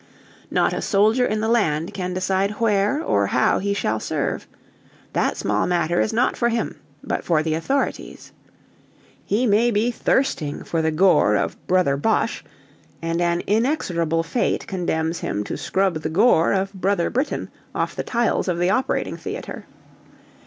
Not a soldier in the land can decide where or how he shall serve. That small matter is not for him, but for the authorities. He may be thirsting for the gore of Brother Boche, and an inexorable fate condemns him to scrub the gore of Brother Briton off the tiles of the operating theatre.